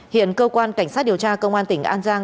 hiện cơ quan cảnh sát điều tra công an tỉnh an giang